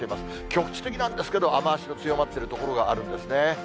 局地的なんですけど、雨足の強まってる所があるんですね。